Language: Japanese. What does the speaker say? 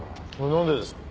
なんでですか？